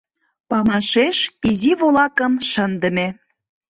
Памашеш изи волакым шындыме.